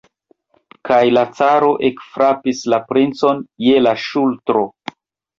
Kaj la caro ekfrapis la princon je la ŝultro.